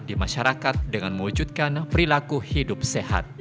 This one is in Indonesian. di masyarakat dengan mewujudkan perilaku hidup sehat